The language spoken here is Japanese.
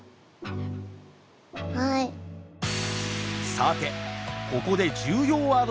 さてここで重要ワードが登場！